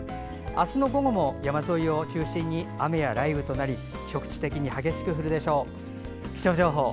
明日の午後も山沿いを中心に雨や雷雨となり局地的に激しく降るでしょう。